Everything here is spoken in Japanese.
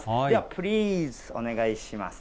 プリーズ、お願いします。